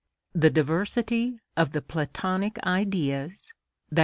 The diversity of the (Platonic) Ideas, _i.